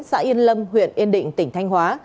công an huyện yên định tỉnh thanh hóa